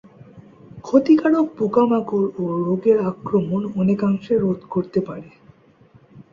ক্ষতিকারক পোকামাকড় ও রোগের আক্রমণ অনেকাংশে রোধ করতে পারে।